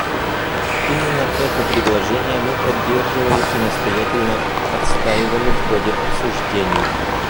Именно это предложение мы поддерживали и настоятельно отстаивали в ходе обсуждений.